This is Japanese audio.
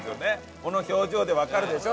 この表情でわかるでしょ？